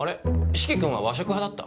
四鬼君は和食派だった？